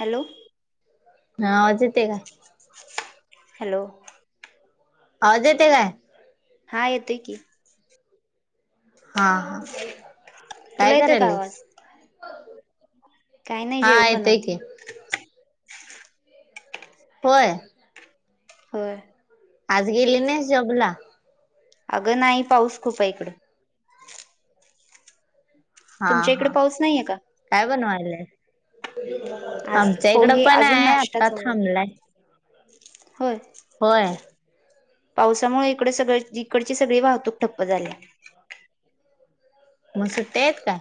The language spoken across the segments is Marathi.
हॅलो हा आवाज येतोय का? हॅलो आवाज येतोय काय? हा येतोय की हा हा काय तुला येतोय का कराल्यास? काही नाही जेवण बनवते. होय होय आज गेली नाहीस जॉबला? अगं नाही पाऊस खूप इकडं. हा तुमच्या इकडे हा पाऊस नाहीये का काय बनवायलाय. आज आमच्या इकडं पोहे पण अजून आहे आता नाश्ताच थांबलाय. होय. होय. पावसामुळे इकडे सगळ इकडची सगळी वाहतूक ठप्प झाली. मग सुट्ट्या आहेत का?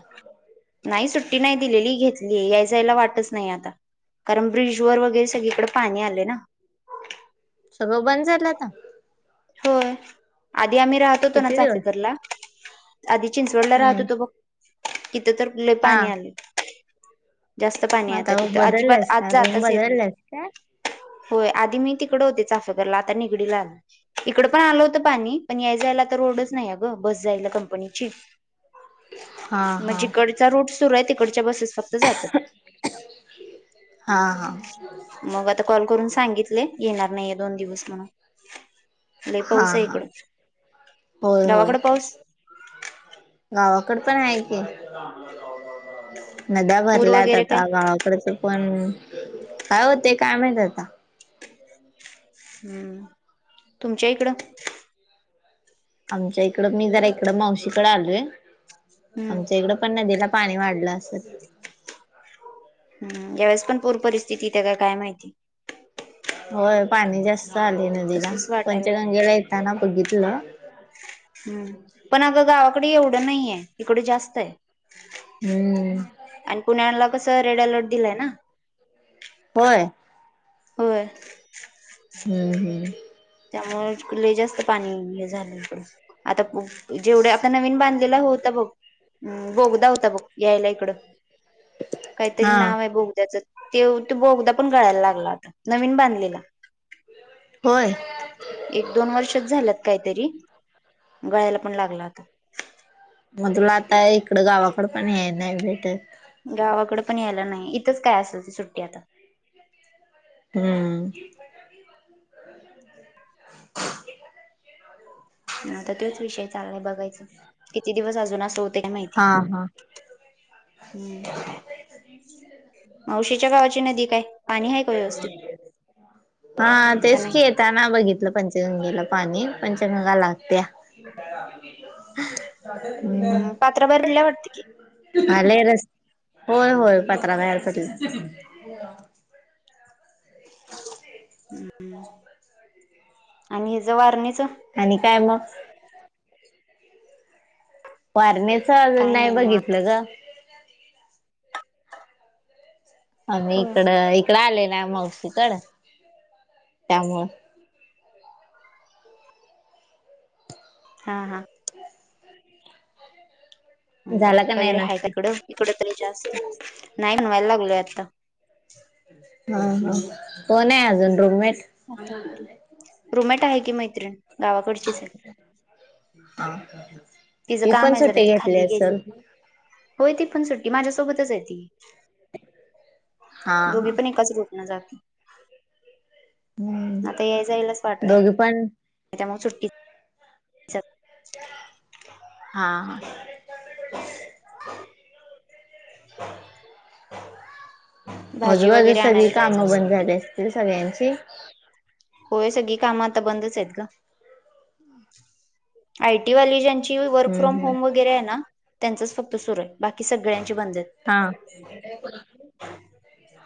नाही सुट्टी नाही दिलेली घेतलीय याय जायला वाटच नाही आता कारण ब्रिज वर वगैरे सगळीकडे पाणी आले ना. सगळं बंद झालं आता होय आधी आम्ही राहत होतो ना किती दिवस चाचेकरला आधी चिंचवडला राहत हम्म होतो बघ. किथं तर कुले हा पाणी आले. जास्त मग पाणी आता तिथं अजिबात बदलल्यास का आज रूम आातच येत बदलल्यास काय ना. होय आधी मी तिकडे होते चाफेकरला आता निगडीला आल. इकड पण आलं होतं पाणी पण याय जायला तर रोडच नाही अ गं बस जायला कंपनीची हा मग हा जिकडचा रूट सुरू आहे तिकडच्या बसेस फक्त जातात. हा हा. मग आता कॉल करून सांगितले येणार नाहीये दोन दिवस म्हणून हा पाऊस आहे हा इकडं होय होय गावाकड पाऊस गावाकड पण आहे की नद्या पूर भरल्यात वगैरे काय आता गावा पकडतो पण काय होते काय माही आता हम्म तुमच्या इकडं. आमच्या इकडं मी जरा इकडं मावशीकडे आलोय हम्म आमच्या इकड पण नदीला पाणी वाढलं असत. हम्म यावेेळेस पण पूर परिस्थितीेते का काय माहिती होय पाणी जास्त आलेय नदीला तसच वाटायला लागलं पंचगंगेला येताना बघितलं. हम्म पण अगं गावाकडे एवढं नाहीय इकडे जास्त आहे. हम्म. आणि पुण्याला कसं रेड अलर्ट दिलाय ना. होय. होय. हम्म हम्म. त्यामुळे कुले जास्त पाणी हे झालं. आता जेवढे आता नवीन बांधलेलं होता बघ. हम् बोगदा होता ब यायला इकडं काहीतरी हा नाव आहे बोगद्याचं. ते तू बोगदा पण कळायला लागला आता नवीन बांधलेला. होय. एक दोन वर्षच झाल्यात काहीतरी गळायला पण लागला होता. म तुला आता इकडं गावाकड पण हे नाही भेटत. गावाकडे पण यायला नाही इथंच काय असेल ती सुट्टी आता हम्म. ता तोच विषय चाललाय बघायच किती दिवस अजून अस होते ना माहिती हा हा हम्म मावशीच्या गावाची नदी काय? पाणी आहे का व्यवस्थित हा का तेच नाही की य त्याना बघितलं पंचगंगेला पाणी पंचगंगा लागत्या. [unintelligible] अत पेर वर्तीे- आले रस् होय होय पात्रा बाहेर पडलं. हम् आणि हच वारणीच आणि काय मग वारल्या अजून काय नाही निवांत बघितलं गं आम्ही होय इकडं इकडं आलेला आहे मावशीकडं त्यामुळं हां हां ग झाला का नाही वगैरे आहे नाश्ता तिकडं इकडं तरी जास्त नाही व्हायला लागलोय आता हा हा कोण आहे. अजून रूममेट आता रूम मेट आहे की मैत्रिण. गावाकडचीच आहे तिचं ती पण काम आहे जरा सुट्टी ती घेतली खाली गेली असेल. होय ती पण सुट्टी माझ्यासोबतचं आहे ती दोघी पण हम्म कशी रूट जात. आता यायला जाईलाच वाट नाही. हो पण [unintelligible] त्यामुळे सुट्टी. हा. ह आजूबाजू ला वगैरे सगळी आणायला जायचं कामं असतं बंद की झाली असतील सगळ्यांची. होय सगळी काम आता बंदचचं आहेत गं आयटी वाली ज्यांची. ची work hmm from hmm home वगैरे ना त्यांचचं फक्त सुर आहे बाकी सगळ्यांची बंद आहे. हा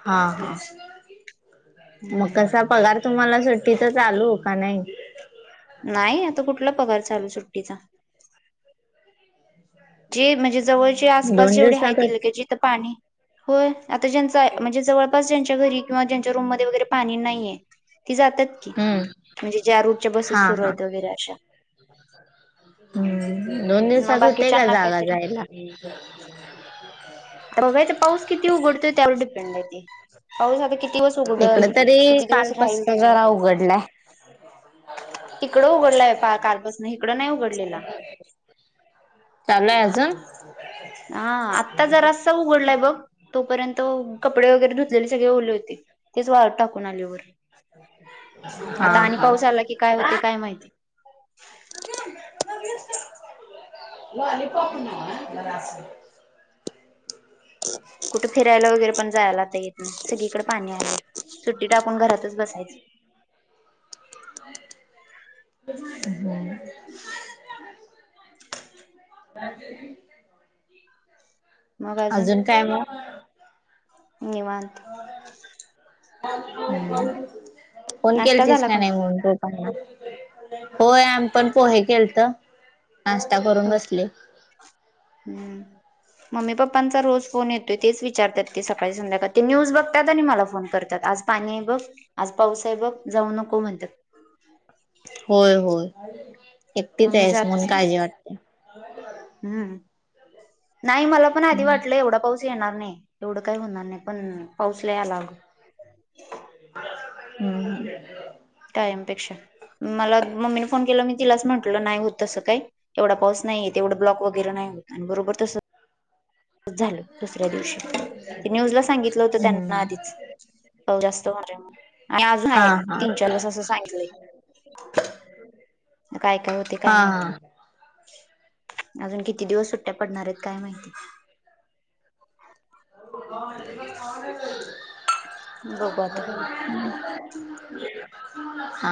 हा हा. मग हम्म कसा पगार तुम्हाला सुट्टी तर चालू का. नाही. नाही आता कुठला पगार चालू सुट्टीचा. जे म्हणजे जवळचे आस पास दोन जेवढे आहे दिवसातच का जिथं पाणी. होय आता ज्यांचा म्हणजे जवळपास ज्यांच्या घरी किंवा ज्यांच्या रूममध्ये वगैरे पाणी नाहीयं. ती जातात कि हम्म म्हणजे ज्या रूटच्या बसेस हा सुरू हा आहेत वगैरे अशा. हम्म दोन मग दिवसाात होते. का बाकीच्यांना जागा काहीतरी जायला तर बघायचं पाऊस किती उघडतोय त्यावर डिपेंड आहे ते पाऊस आता किती. दिवस इकडे उघडल तरी किती काल दिवस राहील पासुनू त्याच्यावर जरा उघडले तिकडं उघडलंय कालपासून इकडे नाही उघडलेला. चालूयं. अजून हा आत्ता जरासा उघडलायं बघ. तोपर्यंत कपडे वगैरे धुतलेली सगळे ओले होते. तेचं वाळ टाकून आले वर अजून हा आता आणि हा पाऊस आला कि काय होते काय माहिती. म अली पक न ह म रा [unintelligible] कुठे फिरायला वगैरे पण जायला आता येत नाही सगळीकडे पाणी आले. सुट्टी टाकून घरातचं बसायचं. हो. अजून काय मगं. निवांत. फोन केल तस [unintelligible] का नाही म्हणून तू होय आम्ही पण पोहे केेले होते नाश्ता करून हो बसले. हम्म. मम्मी पप्पांचा रोज फोन येतोय तेच विचारतात ते सकाळी संध्याकाळ ते न्यूज बघतात. आणि मला फोन करतात. आजकाय पाणी बघ आज पावसा आहे बघ जाऊ नको म्हणतात. होय होय मग एकटीचं मी आहेस म्हणून जातच नाही काळजी वाटते. हम्म नाही मला पण आधी वाटलं एवढा पाऊस येणार नाही. एवढं काही होणार नाही पण पाऊस लई यायला अगं. हम्, टाईमपेक्षा मला मम्मीने फोन केला मी तिलाचं म्हटलं नाही होत. तसं काही एवढा पाऊस नाहीेत तेवढ ब्लॉक वगैरे नाही होत आणि बरोबर तसं. झालं दुसऱ्या दिवशी ते न्यूज ला सांगितलं होतं हम्म. त्यांना आधीचं. जास्त माजे [unintelligible] अजून हा आहे हा तीन चार बस असं सांगितलंय काय काय होते काय माहिती. हा अजून किती दिवस सुट्ट्या पडणार आहेत काय माहिती बघू आता का हा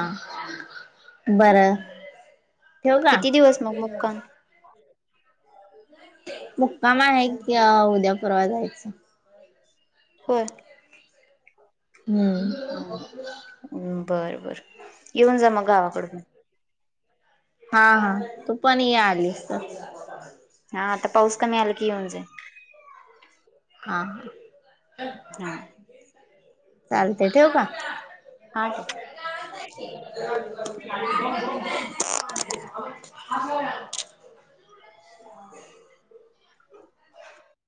बरं हम्म ठेव का किती दिवस मग मुक्काम मुक्काम आहे की उद्यापूरवा जायचं हो हम् हम्म् बर बर येऊन जा मग गावाकडून हा हा तू पण ये आलीस तर हा आता पाऊस कमी आला की येऊनज हा ह ह चालते ठेव का हा टेक [unintelligible] ह